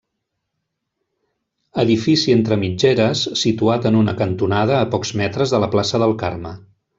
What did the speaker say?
Edifici entre mitgeres, situat en una cantonada a pocs metres de la plaça del Carme.